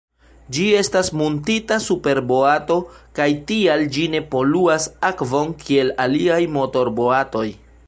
Ĝi estas muntita super boato kaj tial ĝi ne poluas akvon kiel aliaj motorboatoj.